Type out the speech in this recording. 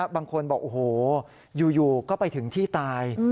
บางคนบอกโอ้โหอยู่ก็ไปถึงที่ตาย